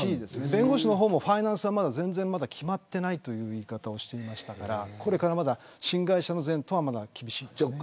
弁護士もファイナンスはまだ決まっていないという言い方をしてましたからこれから新会社の前途は厳しい。